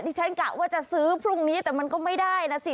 ฉันกะว่าจะซื้อพรุ่งนี้แต่มันก็ไม่ได้นะสิ